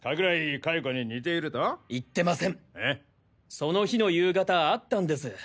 その日の夕方あったんです。